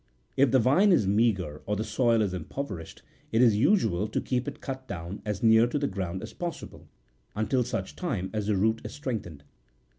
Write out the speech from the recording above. If the vine is meagre or the soil impoverished, it is usual to keep it cut down as near to the ground as possible, until such time as the root is strengthened.